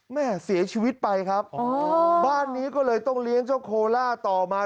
แม่เสียชีวิตไปครับอ๋อบ้านนี้ก็เลยต้องเลี้ยงเจ้าโคล่าต่อมา